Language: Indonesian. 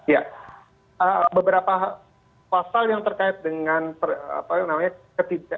ya beberapa pasal yang terkait dengan apa yang namanya